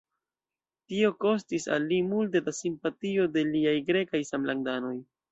Tio kostis al li multe de simpatio de liaj grekaj samlandanoj.